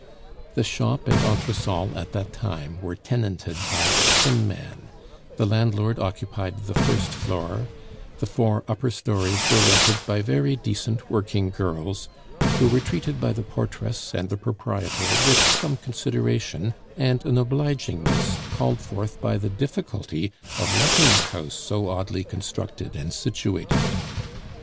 The shop and entresol at that time were tenanted by a tinman; the landlord occupied the first floor; the four upper stories were rented by very decent working girls, who were treated by the portress and the proprietor with some consideration and an obligingness called forth by the difficulty of letting a house so oddly constructed and situated.